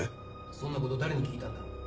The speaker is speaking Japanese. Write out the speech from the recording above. そんな事誰に聞いたんだ？